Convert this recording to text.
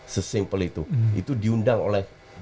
sesimpel itu itu diundang oleh